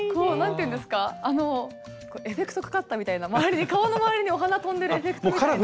エフェクトかかったみたいな顔の周りにお花飛んでるエフェクトみたいな。